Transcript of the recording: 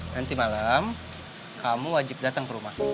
nanti malam kamu wajib datang ke rumah